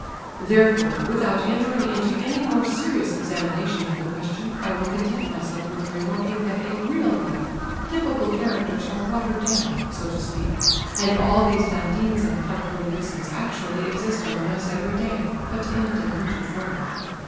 Therefore, without entering into any more serious examination of the question, I will content myself with remarking that in real life typical characters are "watered down," so to speak; and all these Dandins and Podkoleosins actually exist among us every day, but in a diluted form.